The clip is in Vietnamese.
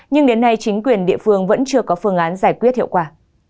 nhưng đến nay chính quyền địa phương vẫn chưa có phương án giải quyết hiệu quả